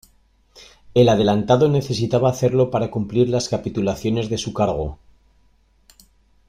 El adelantado necesitaba hacerlo para cumplir las capitulaciones de su cargo.